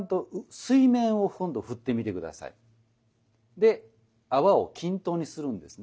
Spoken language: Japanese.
で泡を均等にするんですね。